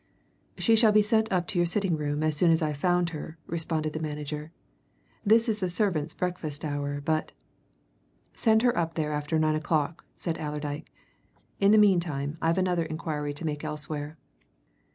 "She shall be sent up to your sitting room as soon as I've found her," responded the manager. "This is the servants' breakfast hour, but " "Send her up there after nine o'clock," said Allerdyke. "In the meantime I've another inquiry to make elsewhere."